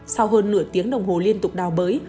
sau hơn nửa tiếng đồng hồ liên tục đào bới